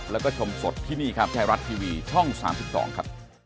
แล้วก็ชมสดที่นี่ครับไทยรัฐทีวีช่อง๓๒ครับ